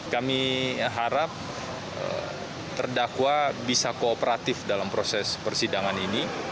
kami harap terdakwa bisa kooperatif dalam proses persidangan ini